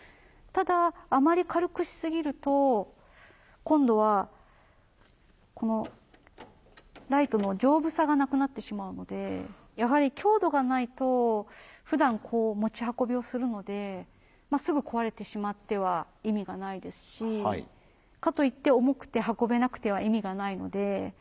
ただあまり軽くし過ぎると今度はこのライトの丈夫さがなくなってしまうのでやはり強度がないと普段持ち運びをするのですぐ壊れてしまっては意味がないですしかといって重くて運べなくては意味がないので。